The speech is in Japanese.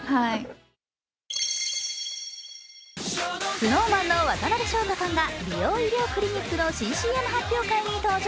ＳｎｏｗＭａｎの渡辺翔太さんが美容医療クリニックの新ＣＭ発表会に登場。